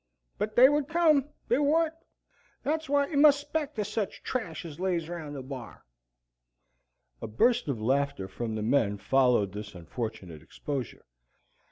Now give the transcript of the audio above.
But they would come, they would. Thet's wot you must 'spect o' such trash as lays round the Bar." A burst of laughter from the men followed this unfortunate exposure.